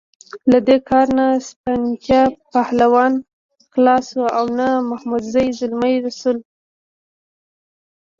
له دې کار نه سپنتا پهلوان خلاص شو او نه محمدزی زلمی رسول.